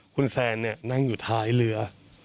คุณแซนนั่งอยู่ท้ายเรือ